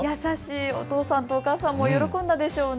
お父さんとお母さんも喜んだでしょうね。